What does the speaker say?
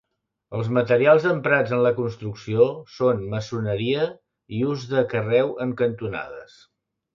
Els materials emprats en la construcció són maçoneria i ús de carreu en cantonades.